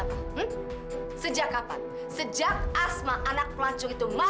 bos apa kita bunuh dia